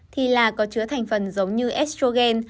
thì là có chứa thành phần giống như estrogen